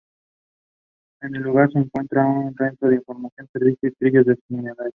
En el lugar, se cuenta con un centro de información, servicios y trillos señalizados.